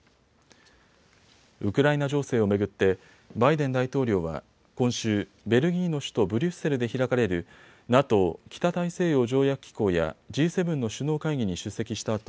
ウクライナ情勢を巡ってバイデン大統領は今週ベルギーの首都ブリュッセルで開かれるＮＡＴＯ・北大西洋条約機構やＧ７の首脳会議に出席した